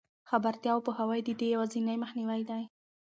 خبرتیا او پوهاوی د دې یوازینۍ مخنیوی دی.